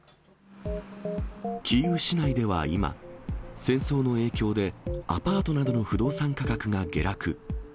キーウ市内では今、戦争の影響で、アパートなどの不動産価格が下落。